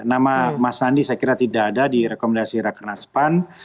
nama mas nandi saya kira tidak ada di rekomendasi raker naspan